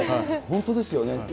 本当ですよね。